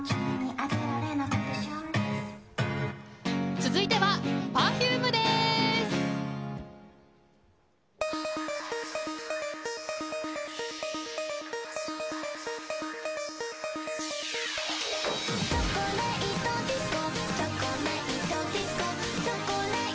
続いては、Ｐｅｒｆｕｍｅです。